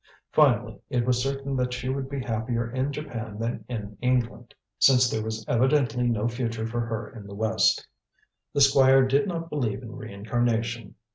Finally, it was certain that she would be happier in Japan than in England, since there was evidently no future for her in the West. The Squire did not believe in reincarnation.